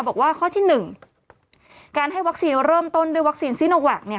บอกว่าข้อที่๑การให้วัคซีนเริ่มต้นด้วยวัคซีนซีโนแวค